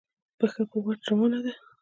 پښه په واټ روانه ده.